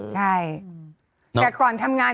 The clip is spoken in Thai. ใช่แต่ก่อนทำงาน